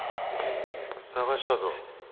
捜したぞ